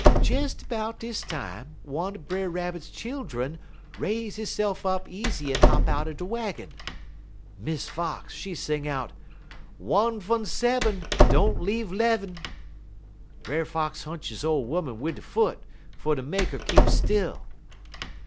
"Des 'bout dis time one er Brer Rabbit's childun raise hisse'f up easy un hop out de waggin. Miss Fox, she sing out: "'One frun sev'm Don't leave 'lev'm.' "Brer Fox hunch he ole 'oman wid he foot fer ter make 'er keep still.